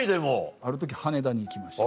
ある時羽田に行きました